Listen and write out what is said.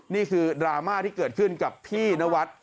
ดราม่าที่เกิดขึ้นกับพี่นวัด